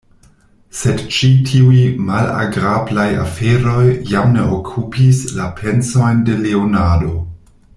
Sed ĉi tiuj malagrablaj aferoj jam ne okupis la pensojn de Leonardo.